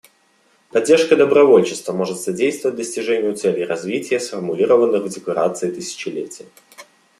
Поддержка добровольчества может содействовать достижению целей развития, сформулированных в Декларации тысячелетия.